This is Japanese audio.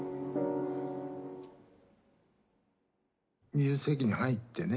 ２０世紀に入ってね